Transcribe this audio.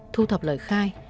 thu thập lời khai